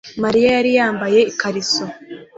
Mariya yari yambaye ikariso